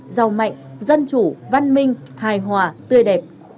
giàu mạnh dân chủ văn minh hài hòa tươi đẹp